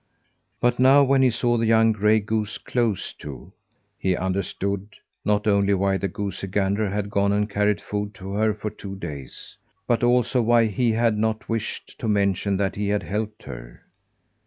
But now, when he saw the young gray goose close to, he understood, not only why the goosey gander had gone and carried food to her for two days, but also why he had not wished to mention that he had helped her.